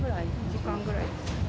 ２時間ぐらい。